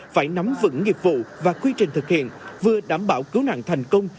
phải nắm vững nghiệp vụ và quy trình thực hiện vừa đảm bảo cứu nạn thành công